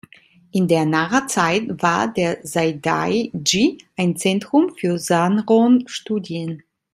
In der Nara-Zeit war der Saidai-ji ein Zentrum für Sanron-Studien.